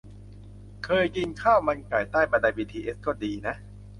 เคยกินข้าวมันไก่ใต้บันไดบีทีเอส ก็ดีนะ